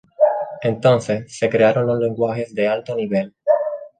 Entonces, se crearon los lenguajes de alto nivel.